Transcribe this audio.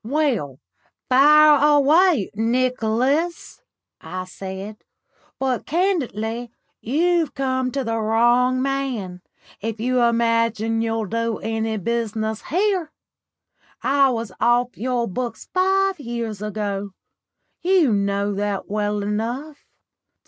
'Well, fire away, Nicholas,' I said, 'but candidly you've come to the wrong man, if you imagine you'll do any business here. I was off your books five years ago. You know that well enough.